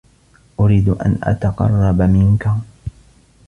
أريد أن أتقرّب منك.